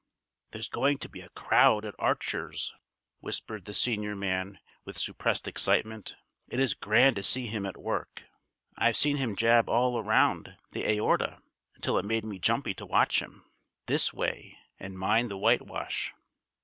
"There's going to be a crowd at Archer's," whispered the senior man with suppressed excitement. "It is grand to see him at work. I've seen him jab all round the aorta until it made me jumpy to watch him. This way, and mind the whitewash."